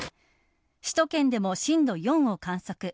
首都圏でも震度４を観測。